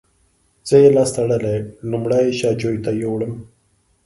زه یې لاس تړلی لومړی شا جوی ته یووړم.